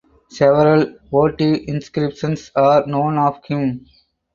Several votive inscriptions are known of him.